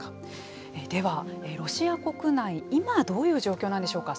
では、ロシア国内今どういう状況なんでしょうか。